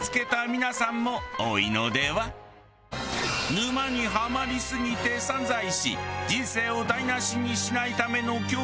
沼にハマりすぎで散財し人生を台無しにしないための教訓を学ぶ